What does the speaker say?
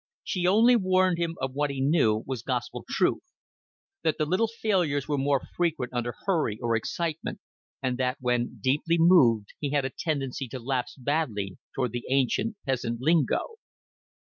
She only warned him of what he knew was Gospel truth that the little failures were more frequent under hurry or excitement, and that when deeply moved he had a tendency to lapse badly toward the ancient peasant lingo.